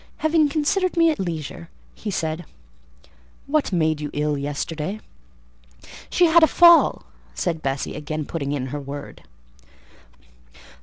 Having considered me at leisure, he said— "What made you ill yesterday?" "She had a fall," said Bessie, again putting in her word.